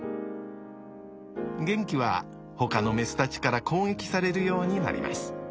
ゲンキはほかのメスたちから攻撃されるようになります。